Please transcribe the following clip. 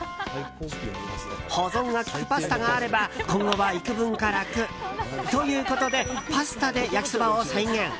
保存が利くパスタがあれば今後は幾分か楽ということでパスタで焼きそばを再現。